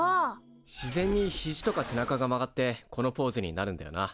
自然にひじとか背中が曲がってこのポーズになるんだよな。